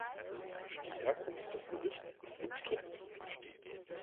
Die Herkunft des Gerichts ist umstritten.